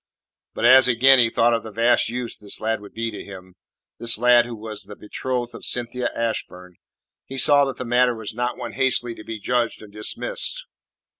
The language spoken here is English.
But as again he thought of the vast use this lad would be to him this lad who was the betrothed of Cynthia Ashburn he saw that the matter was not one hastily to be judged and dismissed.